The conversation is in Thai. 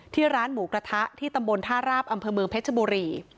ร้านหมูกระทะที่ตำบลท่าราบอำเภอเมืองเพชรบุรี